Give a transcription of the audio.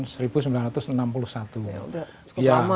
sudah cukup lama ya